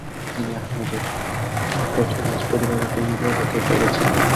তিনি আহমেদের প্রথম রাজপরিবারে পরিণত হতে পেরেছিলেন।